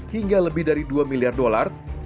hingga lebih dari dua miliar dolar